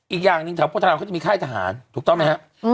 อีกอย่างหนึ่งแถวโพธารามเขาจะมีค่ายทหารถูกต้องไหมครับ